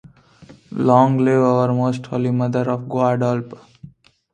Long live our most Holy Mother of Guadalupe!